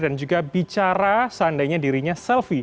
dan juga bicara seandainya dirinya selfie